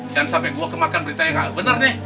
jangan sampai gue kemakan beritanya kagak bener nih